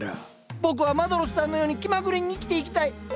僕はマドロスさんのように気まぐれに生きていきたい！